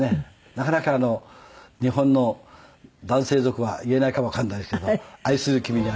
なかなか日本の男性族は言えないかもわかんないですけど『愛する君にありがとう』という。